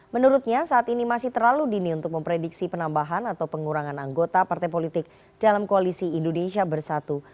menurutnya saat ini masih terlalu dini untuk memprediksi penambahan atau pengurangan anggota partai politik dalam koalisi indonesia bersatu